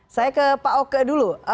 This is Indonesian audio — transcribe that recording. saya ke pak oke dulu